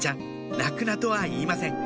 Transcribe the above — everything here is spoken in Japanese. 「泣くな」とは言いません